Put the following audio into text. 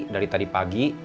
dari tadi pagi